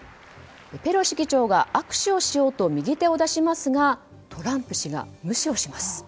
ペロシ議長が握手をしようと右手を出しますがトランプ氏が無視をします。